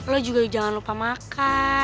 lo juga jangan lupa makan